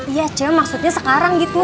iya cek maksudnya sekarang gitu